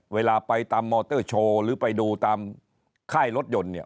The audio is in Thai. เวลาไปตามมอเตอร์โชว์หรือไปดูตามค่ายรถยนต์เนี่ย